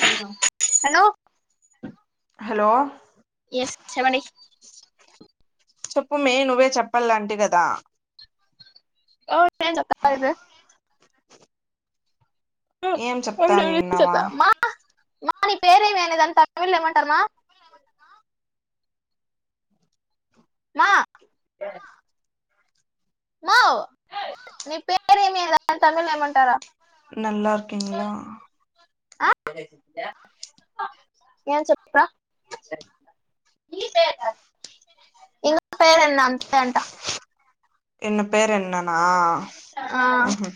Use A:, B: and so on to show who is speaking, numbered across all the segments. A: [inaudible]
B: Hello
A: hello
B: yes చేపండి
A: చెప్పు మే నువ్వే చెప్పల్లాంటి కదా
B: ఓ [inaudible]
A: ఏం
B: ఓ, నేను
A: చెప్తానున్నావా
B: చెప్తా మా మా నీ పేరే ఏమి అని [inaudible] తమిళ్ ఏమంటారమా మా మావ్ నీ పేర ఏమీ ఆయన తమిళలో ఏమంటారు
A: నల్ [unintelligible]
B: ఆహ్ [inaudible] ఏం చేపావ్ ఇం పేరన్న అంతే అంట
A: ఎన్న పేరు ఎన్ననా
B: ఆ,
A: ఉహు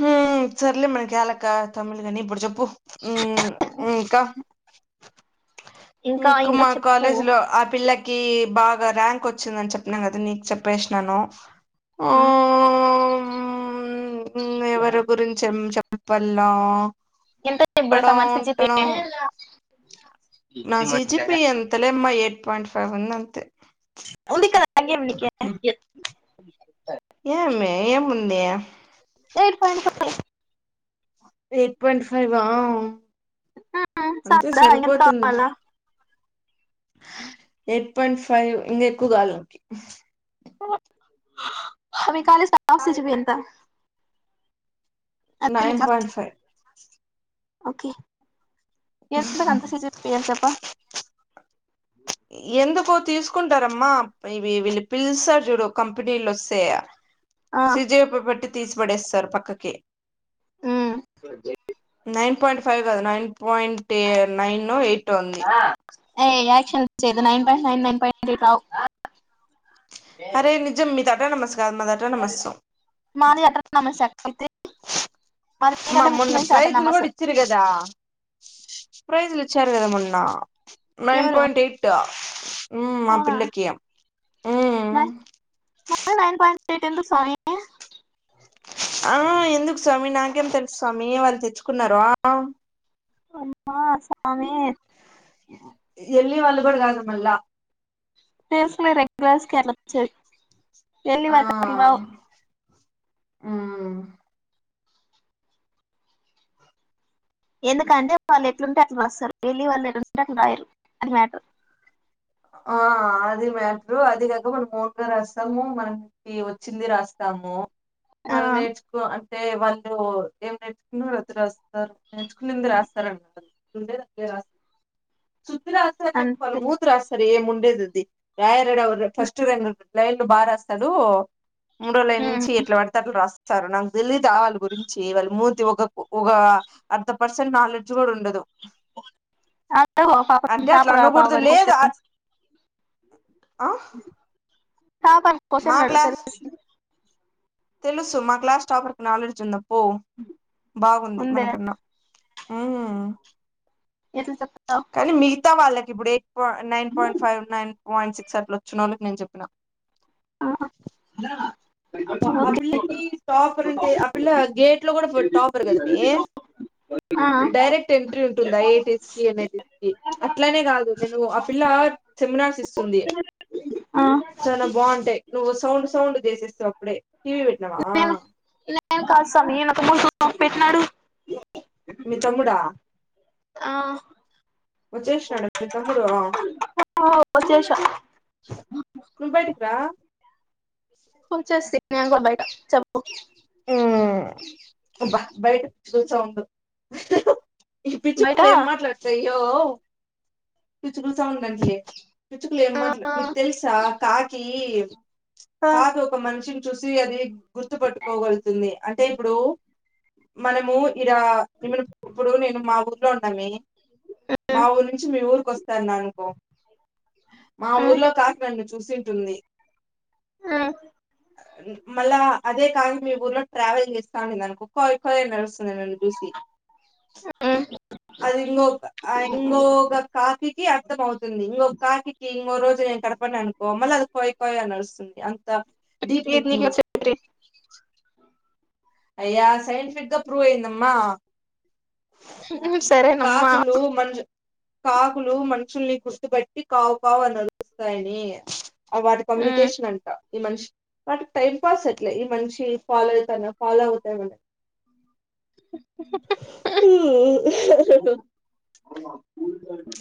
A: హ సర్లే మరి కాలక తమిళ గని ఇప్పుడు చెప్పు ఉ ఇకా ఇంకా మా కాలేజీ లో ఆ పిల్ల కి బాగా ర్యాంక్ వచ్చిందని చెప్పినను కదా నీకు చెప్పేసినాను ఆ
B: ఉమ్,
A: ఎవర గురించెం ఏం చెప్పల్ల
B: ఎంత [inaudible] తమరు సి జి పి
A: నా సిజిపి ఎంతలేమ్మా ఎయిట్ పాయింట్ ఫైవ్ ఉంది అంతే
B: నాకేం నీకే ఇయ్యొద్దు
A: ఏమి ఏముందుంది
B: ఎయిట్ పాయింట్
A: ఎయిట్ పాయింట్ ఫైవా
B: ఫైవ్
A: అంతే
B: సాదా ఎంత
A: సరిపోతుంది.
B: కావాలా
A: ఎయిట్ పాయింట్ ఫైవ్ ఇంకా ఎక్కువ కాలు
B: అ మీ కాల సాచ్చవి ఎంత అ మీ
A: నైన్
B: కా
A: పాయింట్ ఫైవ్
B: ఓకే ఎంతకు అంత స అం చెప్ప
A: ఎందుకో తీసుకుంటారమ్మా ఇవి వీళ్లు పిలుస్తారు చూడు కంపెనీలు వస్తే
B: ఆ,
A: సిజయప్పు పెట్టి తీసి పడేస్తారు పక్కకి. నైన్ పాయింట్ ఫైవ్ కాదు నైన్ పాయింటే నైనో, ఎయిటో ఉంది.
B: ఏ యాక్షన్ చేయొద్దు. Nine point nine nine point తీ కావు
A: అరే నిజం మీ తాటా నమస్కారం మా తాటా నమస్సో
B: మాది అటనమస్ అయితే మాది
A: మా
B: మీకంటే
A: మొన్న
B: ముందు నుంచి
A: ప్రైజులు
B: అటనమస్
A: కూడా ఇచ్చిరి కదా. ప్రైజలు ఇచ్చారు కద మొన్నా నైన్
B: ఎవరు
A: పోయింట్ ఎయిట్ ఉమ్ మా
B: అవునా
A: పిల్లకి
B: నైన్ మొత్తం నైన్ పాయింట్ ఎయిట్ ఎందుకు సాయి కి
A: ఆ ఎందుకు స్వామి నాకేం తెలుసు స్వామి వాళ్ళు తెచ్చుకున్నారో
B: అమ్మ సామె
A: ఎళ్ళి వాళ్ళు కూడా కాదుమల్లా
B: [unintelligible]
A: ఆ
B: ఎందుకంటే వాళ్ళు ఎట్లుంటే అట్లా రస్తారు. వెళ్లి వాళ్ళు ఎట్లుంటే అట్లా రాయరు అది మ్యాటర్
A: ఆ అది మ్యాటర్ అది కాక మనం ఓన్గా రాస్తాము. మనకి వచ్చింది రాస్తాం. తమ్మో వాళ్ళు నేర్చుకో అన్ తే వాళ్ళు ఏం నేర్చుకున్న వత్తిరస్తారు నేర్చుకునేందు రాస్తారన్నమాట. ఉండేద ఏ రాస్ సుద్ రాస్తారు అంటండీ వాళ్ళ
B: అంతే
A: మూతు రస్తారు ఏం ఉండేది అది యరెడవరు ఫస్ట్ రెండు రంల బాగా రాస్తాడు మూడు రోజుల నుంచి ఎట్లా పడితే అట్ల రాస్తాడు. సరే నాకు తెలీదా ఆళ్ళ గురించి వాళ్ళ మూతి ఒక ఒక అర్ధ పర్సెంట్ నాలెడ్జ్ కూడా ఉండదు. అంటే అట్లా అనకూడదు లేదు
B: [unintelligible]
A: ఆ
B: పాపని
A: మా
B: కోసన్లు అడుగుతారు
A: క్లాస్
B: తెలుసా
A: తెలుసు మా క్లాస్ టాపర్ కి నాలెడ్జ్ ఉందప్పో బాగుంది
B: ముందే
A: మనకన్నా. ఆహ
B: ఎటు నుంచి వస్ వస్తవ్
A: అంత వాళ్ళకి ఇప్పుడు ఎయిట్ పా nine point five, nine point six అట్లా వచ్చిన వాళ్ళకి నేను చెప్పిన
B: ఆ
A: అపో ఆ పిల్లకి టాపర్ అంటే ఆ పిల్ల గేట్ లో కూడా టాపర్ కద మె
B: ఓ
A: డైరెక్ట్ ఎంట్రీ ఉంటుందా ఏటీస్ కి, నైన్టిస్ కి అట్లానే కాదు నేను అప్ పిల్ల సెమినార్స్ ఇస్తుంది
B: ఆ
A: చాలా బావుంటాయి. నువ్వు సౌండ్ సౌండ్ చేసేస్త అప్పుడే టీవీ పెట్టినావా
B: నేను నేను కాస్ సామి నేను ఒక మం పెట్టినాడు
A: మీ తమ్ముడా
B: ఆ
A: వచ్చేసినాడ మీ తమ్ముడు
B: ఓ వచ్చేసా
A: నువ్వు బయిటికిరా
B: వచ్చేస్తా నేను కూడా బయట చెప్ప
A: ఉమ్ అబ్బా బయట చూస ఉండ ఈ
B: బయట
A: పిచ్చుకులు
B: ఆ
A: ఏం మాట్లాడతాయ్యో పిచ్చుకు సౌండ్ ఉందండి. పిచుకులు ఏ మాట్ మీకు తెలుసా కాకి
B: ఆ,
A: కాకి ఒక మనిషిని చూసి అది జతుంది అంటే ఇప్పుడు మనము ఇడ ఎమన్నా ఇప్పుడు నేను మా ఊర్లో ఉన్నామె మా ఊరు నుంచి మీ ఊరుకొస్తాన అన్నాననుకో మా
B: ఉమ్,
A: ఊర్లో కాకి నన్ను చూసింటుంది.
B: ఉమ్,
A: మళ అదే కా మీ ఊర్లో ట్రావెలింగ్ చేస్తా అనింది అనుకో కొయయ్ కొయయ్ అని అరుస్తుంది నన్ను చూసి
B: ఆ
A: అది ఇంకొక ఇంకొక కాకి అర్థం అవుతుంది ఇంకొక కాకి ఇంగో రోజు నేను కనపడిన అనుకో మళ్ళీ అది కోయ్ కోయ్ అని అరుస్తుంది అంత డీప్
B: ఇది నీకు
A: [unintelligible]
B: చెప్పి
A: అయ్యా సైన్ంటిఫికగా ప్ర్రూవ్ అయ్యందమ్మా.
B: సరేనమ్మా
A: కాకులు మనుష్ కాకులు మనుషుల్ని గుర్తుబట్టి కావు కావు అని అరుస్తాయి వాటి
B: ఉమ్.
A: కమ్యూనికేషన్ అంట ఈ మనిషి వాటికి టైం పాస్ ఎట్లే ఈ మనిషి ఫాలో అవుతున్నా ఫాలో అవుతాన్నా. హ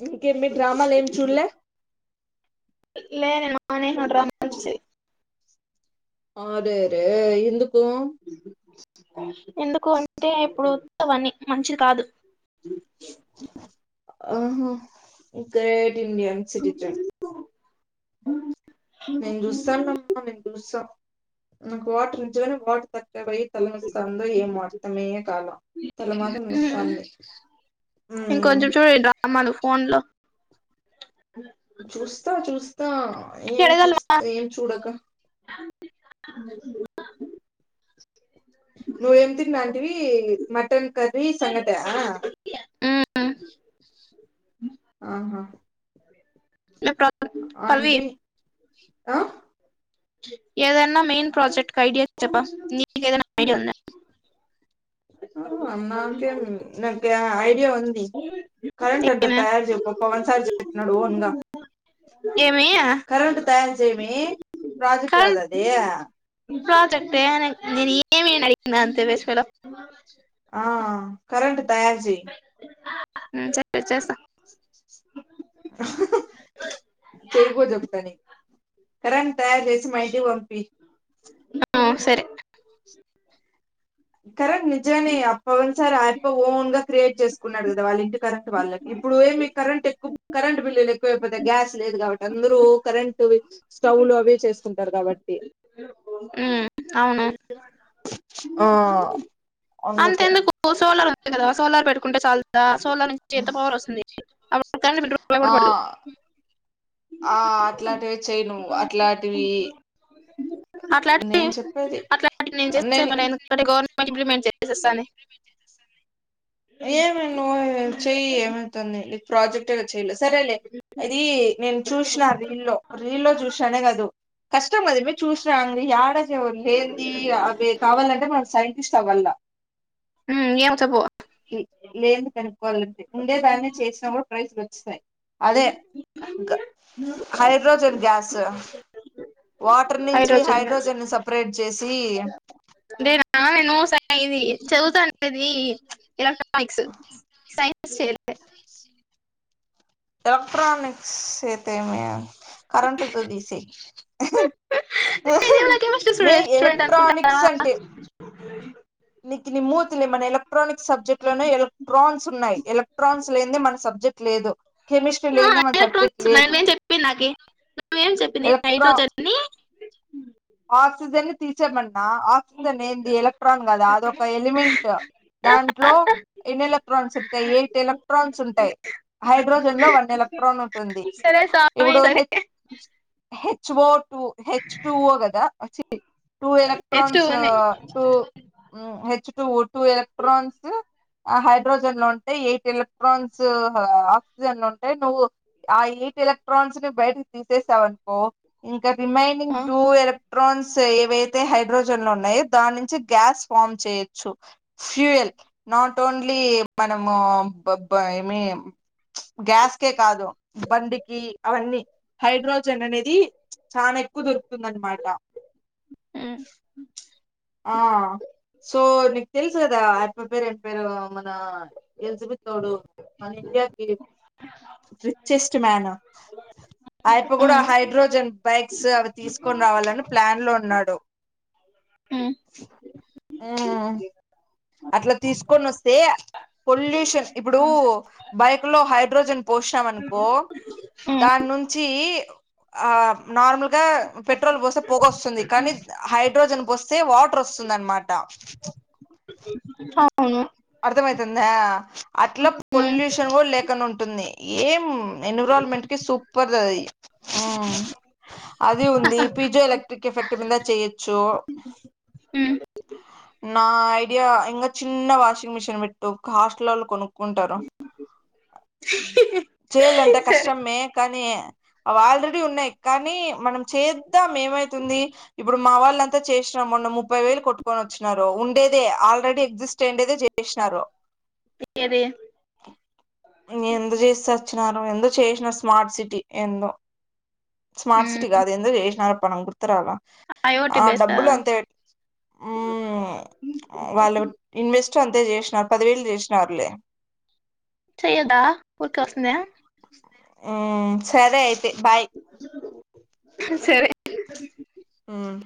A: ఇంకేమి డ్రామాలు ఏం చూలే
B: అనే ఆ డ్రామాలు చులే
A: ఆ రే రే ఎందుకు
B: ఎందుకు అంటే ఇప్పుడు అవని మంచిది కాదు.
A: ఆహ గ్రేట్ ఇడియన్ సిటీజన్ నేను చూసానమ్మ నేన్ చూసా నాకు వాటర్ ఈచేదానికి వాటర్ తగ్గి పోయి తల నోస్తాందో ఏమో అర్థమే కాల తలమాత్రం
B: ఉమ్.
A: నోస్తాంది.
B: ఇంకొంచెం చూడు ఈ డ్రామాలు ఫోన్ లో
A: చూస్తా చూస్తా ఏం
B: ఎడగలమా
A: చూస్తా ఏం చూడక నువ్వేం తిన్న అంటివి మటన్ కర్రి సంగట ఆ
B: ఆ
A: ఆహా
B: నాక
A: ఆంటీ అ
B: ఏదన్నా మెయిన్ ప్రాజెక్ట్ ఐడియా చేప్ప నీకేదన్న ఐడియా ఉందా
A: అ నాకెం నాక్యా ఐడియా ఉంది. కరెంట్ అంత
B: ఏమే
A: తయారు చేయపో పవన్ సార్ చెప్పినడు ఓన్గా
B: ఏమి
A: కరెంట్ తయారు చేయి అమ్మి ప్రాజెక్ట్ కాదా అది.
B: ఇంకా చెప్పే నేను ఏమి అని అడిగిన అంతే వేస్ట్ పెల్లో
A: తయారుచేయి
B: సరే చేస్తా
A: చేయకు చెప్తా నీకు కరెంట్ తయారు చేసి మాఇంటికి పంపి
B: ఆ సరే
A: కరెంట్ నిజనే పోయినసారి అయ్యప్ప ఓన్గా. క్రియేట్ చేసుకున్నాడు కదా వాళ్ళ ఇంటి కరెంట్ వాళ్లకి ఇప్పుడు ఏమి కరెంట్ ఎక్కు కరెంట్ బిల్లు ఎక్కువ అయిపోతాయి గ్యాస్ లే లేద్ గాబట్టి అందరూ ఓ కరెంటు స్టవ్ లు అవి చేసుకుంటారు కాబట్టి
B: ఉమ్ అవును
A: ఆ
B: అంత
A: అందుకే
B: ఎందుకు సోలార్ ఉంద్ కదా సోలార్ పెట్టుకుంటే చాలుదా సోలార్ నుంచి ఎంత పవర్ వస్తుంది అప్ డ్ కరెంటు బిల్ రూప్ రూపాయి కూడా
A: ఆ
B: పడదు
A: ఆ అట్లాంటివి చెయ్ ను అట్లాంటివి
B: అట్లాంటివి
A: నేను చెప్పేది
B: అట్లాంటి నే చేసే
A: నేను
B: పనే ప్రతి గోర్ మెంట్ ఇంప్లిమెంట్ చే తీసేస్తాంది
A: ఏమే నువ్ చెయి ఏమయితాంది ఈ ప్రాజె టు చెయలే సరేలే ఇది నేన్ చూశ్ నా రీల్లో రీల్లో చూశా అనే గాదో కష్టం అది వే చూశ్ నా అంది యాడ శేవ్ లేంది అవి కావాలంటే మనం సైంటిస్ట్ అవ్వల్ల
B: హ్మ్ ఏమ్ వచా బో [unintelligible]
A: లేన్ ది కనుకోవాలంటే ఉండే దాన్ని చేసినా కూడా ప్రైజ్ లోశ్ స్తాయి అదే గ హైడ్రోజన్ గ్యాసు వాటర్ నుంచి హైడ్రోజన్ నీ సప్ రేట్ జేసి
B: నేనా ఆ నెను సై అవి చౌవుతం ఇది ఎల క్ట్రా నిక్స్ సైన్స్ చేయి లే
A: ఎలెక్ట్రనిక్స్ సేస్తే ఏమి కరెంట్ తో తీసై
B: నేనేం నా కెమిస్ట్రీ
A: మే
B: స్టూడెంట్ స్టూడెంట్
A: ఎలక్ట్రానిక్స్
B: అనుకుంటావా
A: అంటే నికిని మూతిని మన్ ఎలా క్ [unintelligible] ట్రానిక్స్ సబ్జెక్ట్ లోనే ఎలక్ట్రాన్స్ ఉన్నాయి ఎలక్ట్రాన్స్ లేన్ దే మన సబ్ జెక్ట్ లేదు కెమిస్ట్రీ లేన్ దే మన్ సబ్ జెక్ట్ లేదు
B: నువ్ ఎమ్ చెప్పింది
A: ఎలక్ట్రా
B: హైడ్రోజన్ నీ
A: ఆక్సిజన్ తీసేమన్నా ఆక్సిజన్ ఏంది ఎలక్ట్రాన్ కదా అదొ ఒక ఎలిమెంట్ దాంట్లో ఎన్ ఎలక్ట్రాన్స్ ఉంటాయి ఎయిట్ ఎలక్ట్రాన్స్ ఉంటాయి హైడ్రోజన్ లో వన్ ఎలక్ట్రాన్ ఉంటుంది
B: సామే
A: ఇప్పుడు H
B: సరికే [unintelligible]
A: H O two H two O గ గా ఆ చీ టూ
B: హెచ్ టూ
A: ఎలక్ట్రన్స్
B: అని
A: టూ హ్మ్ H two O two two electrons డూ ఆ హ హైడ్రోజన్ లో ఉంటాయి ఎయిట్ ఎలక్ట్రాన్స్ హళ ఆక్సిజీయన్స్ లో ఉంటాయి నువ్వు ఆ ఎయిట్ ఎలక్ట్రాన్స్ ని బయట్ కి తీసే సావ్ అనుకో ఇంకా రిమైనింగ్
B: ఆ,
A: టూ ఎలా క్ ట్రాన్స్ ఏయవేతే హైడ్రోజన్ లో ఉన్నాయో దాని నుంచి గ్యాస్ ఫామ్ చేయొచ్చు ఫూయల్ నాట్ ఓన్లీ మనము బ్బ బ్బా ఏమి చ్ గ్యాస్ కే కాదు బండికి అవన్నీ హైడ్రోజన్ అనేది చానా ఎక్కు దొరుకుతుంద్ అన్ మాట
B: ఉమ్,
A: ఆ సో నీకు తెలుసు కదా ఆపెపె పేరేమ్ పేరు మన ఎల్ జబేతోడు అని ఇండియాకి రీచెస్ట్ మ్యాను ఆ యప్ప కూడా
B: ఉమ్,
A: హైడ్రోజన్ బైక్స్ అవి తీసుకొన్ రావాలని ప్లాన్ లో ఉన్నాడు
B: ఉమ్,
A: ఊమ్ అట్లా తీసుకొన్ నోస్తే పొల్యూషన్ ఇప్పుడు బైక్ లో హైడ్రోజన్ పోషాం అనుకో
B: ఉమ్,
A: దాన్ నుంచి ఆ నార్మల్ గా పెట్రోల్ పోస్తే పోగ వస్తుంది కానీ హైడ్రోజన్ పోస్ స్తే వాట్రూర్ వొస్తుంది అన్ మాట
B: అ
A: అర్థమయితుందా అట్లా
B: ఉమ్,
A: పొల్యూషన్ కూడా లేకు న్ ఉంటుంది ఏమ్ ఎన్విరాల్ మెంట్ కీ సూపర్ అది ఉమ్మ్ అది ఉంది పీజో ఎలక్ట్రిక్ ఎఫెక్ట్ మీిద చేయొచ్చు
B: హ
A: నా ఐడియా ఇంకా చిన్న వాషింగ్ మిషిన్ పెట్టు హాస్టల్ వా కొను చేయలే అంట
B: సరే
A: కష్టమే క అవి ఆల్రెడీ ఉన్నాయి కానీ మనం చేద్దాం ఏమైతుంది ఇప్పుడు మా వాళ్ళ అంతా చేసినా మొన్న ముప్పై వేలు కొట్టుకొని వచ్చినన్నారు ఉండేదే ఆల్రెడీ ఎగ్జిస్ట్ అయిండేదే చేసినారు
B: ఏది
A: న ఎందు చేసి వచ్చిన ఎ చేసిన స్మార్ట్ సిటీ ఎందో స్మార్ట్ సిటీ కాదు ఎందో చేసినారు రాల
B: ఐఓటీ
A: ఆ
B: బేస్
A: డబ్బులు అంతే వాళ్ళ ఇన్వెస్ట్ అంతే చేసినారు పదివేళ్లు చేసినారులే
B: చెయ్యదా ఊరిక వస్తుందే
A: ఉ సరే అయితే బాయ్
B: సరే
A: మ్మ్